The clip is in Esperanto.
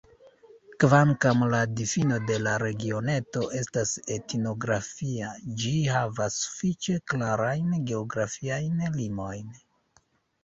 Kvankam la difino de la regioneto estas etnografia, ĝi havas sufiĉe klarajn geografiajn limojn.